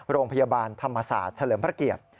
โรงพยาบาลธรรมศาสตร์เฉลิมพระเกียรติ